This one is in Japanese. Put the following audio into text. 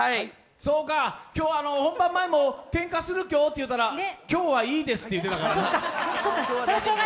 今日は本番前もけんかするのって言ったら「今日はいいです」って言ってたからな。